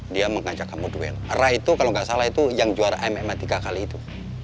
dia mengajak kamu duel ra itu kalau nggak salah itu yang juara imma tiga kali itu